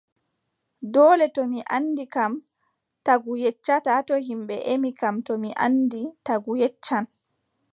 Doole to mi anndi kam, tagu yeccata, to ƴimɓe ƴemi kam to mi anndi, tagu yeccan.